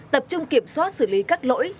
tập trung kiểm soát xử lý các lỗi